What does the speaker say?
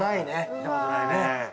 見たことないね。